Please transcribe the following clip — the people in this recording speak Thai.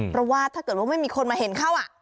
เพราะว่าถ้าเกิดว่าไม่มีคนมาเห็นเข้า